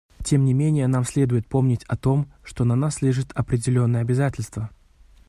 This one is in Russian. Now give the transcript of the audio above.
Тем не менее, нам следует помнить о том, что на нас лежит определенное обязательство.